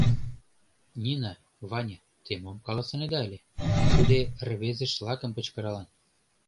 Нина, Ваня, те мом каласынеда ыле? — туде рвезе-шлакым кычкыралын.